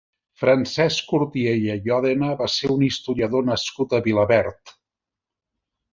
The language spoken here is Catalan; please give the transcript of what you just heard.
Francesc Cortiella i Òdena va ser un historiador nascut a Vilaverd.